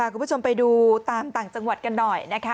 คุณผู้ชมไปดูตามต่างจังหวัดกันหน่อยนะคะ